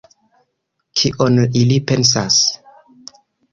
Kion ili pensas?